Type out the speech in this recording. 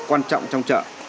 quan trọng trong chợ